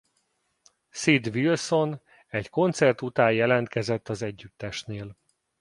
Sid Wilson egy koncert után jelentkezett az együttesnél.